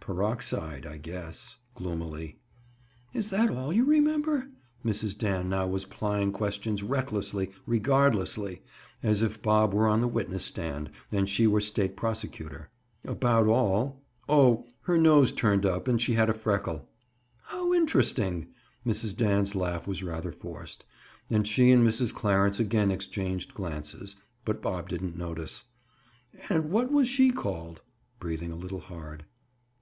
"Peroxide, I guess." Gloomily. "Is that all you remember?" Mrs. Dan now was plying questions recklessly, regardlessly, as if Bob were on the witness stand and she were state prosecutor. "About all. Oh!—her nose turned up and she had a freckle." "How interesting!" Mrs. Dan's laugh was rather forced, and she and Mrs. Clarence again exchanged glances, but Bob didn't notice. "And what was she called?" Breathing a little hard.